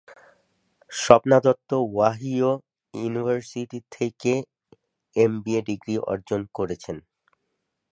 Swapna Dutta Ohio University থেকে MBA degree অর্জন করেছেন।